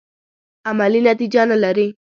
عملي نتیجه نه لري.